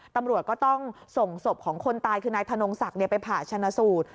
ตำรวจก็ต้องส่งศพของคนตายคือนายธนงศักดิ์ไปผ่าชนะสูตร